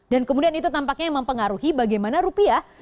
dan kemudian itu tampaknya mempengaruhi bagaimana rupiah